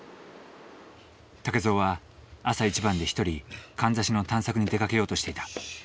竹蔵は朝一番で一人かんざしの探索に出かけようとしていた。